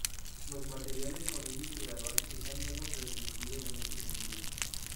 Los materiales con índice gradual están menos restringidos en este sentido.